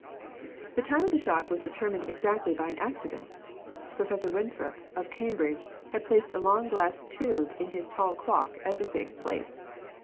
The time of the shock was determined exactly by an accident. Prof. Winthrop, of Cambridge, had placed a long glass tube in his tall clock, as a safe place.